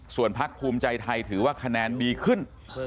ส่วนพักภูมิใจไทยถือว่าคะแนนดีขึ้น